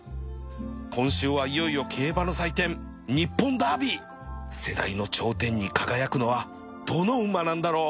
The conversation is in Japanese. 今週はいよいよ競馬の祭典日本ダービー世代の頂点に輝くのはどの馬なんだろう